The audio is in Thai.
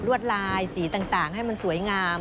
วดลายสีต่างให้มันสวยงาม